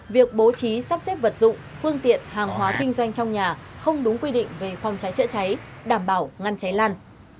việc bố trí sắp xếp vật dụng phương tiện hàng hóa kinh doanh trong nhà không đúng quy định về phòng cháy chữa cháy đảm bảo ngăn cháy lan